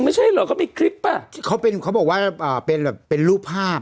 ไม่ใช่เหรอเขามีคลิปป่ะที่เขาเป็นเขาบอกว่าอ่าเป็นแบบเป็นรูปภาพ